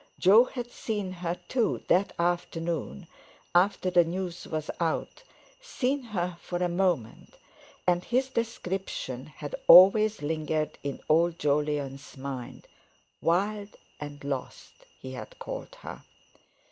Jo had seen her, too, that afternoon, after the news was out, seen her for a moment, and his description had always lingered in old Jolyon's mind—"wild and lost" he had called her.